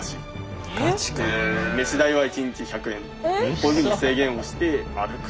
こういうふうに制限をして歩く。